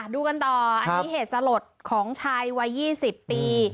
ดูกันต่ออันนี้เหตุสลดของชายวัย๒๐ปี